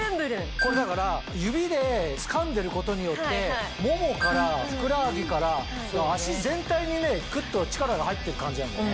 これだから指でつかんでることによってももからふくらはぎから脚全体にねグッと力が入ってる感じなんだよね。